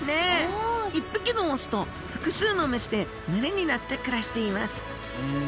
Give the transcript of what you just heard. １匹のオスと複数のメスで群れになって暮らしています。